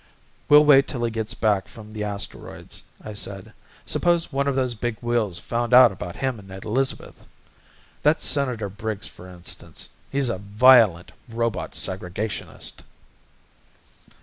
"We'll wait till he gets back from the asteroids," I said. "Suppose one of these big wheels found out about him and Elizabeth. That Senator Briggs for instance he's a violent robot segregationist."